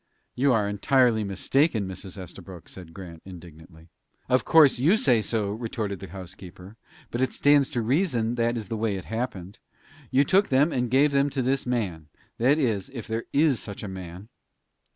"You are entirely mistaken, Mrs. Estabrook," said Grant, indignantly. "Of course you say so!" retorted the housekeeper; "but it stands to reason that that is the way it happened. You took them and gave them to this man that is, if there is such a man."